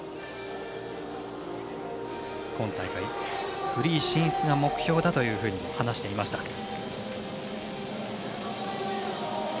今大会フリー進出が目標だというふうに話していました。